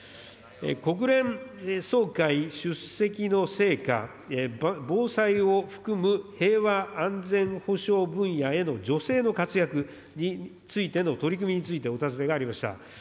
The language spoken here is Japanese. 国連総会出席の成果、防災を含む平和安全保障分野への女性の活躍についての取り組みについてお尋ねがありました。